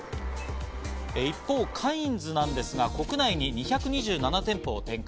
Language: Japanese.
一方、カインズなんですが国内に２２７店舗を展開。